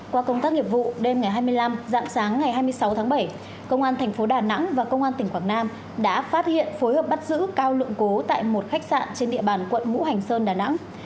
qua công tác nghiệp vụ đêm ngày hai mươi năm dạng sáng ngày hai mươi sáu tháng bảy công an thành phố đà nẵng và công an tỉnh quảng nam đã phát hiện phối hợp bắt giữ cao lượng cố tại một khách sạn trên địa bàn quận mũ hành sơn đà nẵng